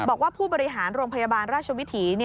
บอกว่าผู้บริหารโรงพยาบาลราชวิถี